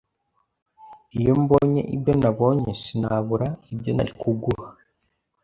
Iyo mbonye ibyo nabonye sinabura ibyo narikuguha